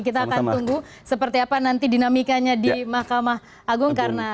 kita akan tunggu seperti apa nanti dinamikanya di mahkamah agung karena